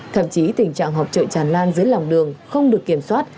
thậm chí tình trạng họp chợ chản lan dưới lòng đường không được kiểm soát